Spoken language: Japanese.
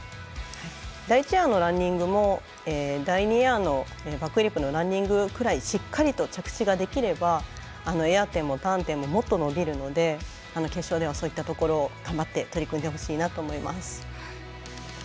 第１エアのランディングも第２エアのバックフリップのランディングくらいしっかりと着地ができればエア点もターン点ももっと伸びるので決勝ではそういったところを頑張って取り組んでほしいなと思います。